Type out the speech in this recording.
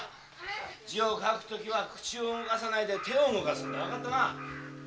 字を書くときは口を動かさないで手を動かすんだわかったな？